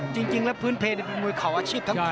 จริงแล้วพื้นเพลเป็นมวยเข่าอาชีพทั้งคู่